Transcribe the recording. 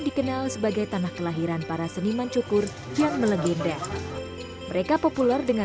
dikenal sebagai tanah kelahiran para seniman cukur yang melegenda mereka populer dengan